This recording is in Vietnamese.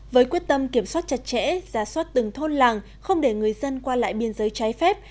với quyết tâm kiểm soát chặt chẽ ra soát từng thôn làng không để người dân qua lại biên giới trái phép